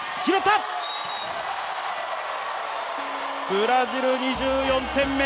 ブラジル、２４点目。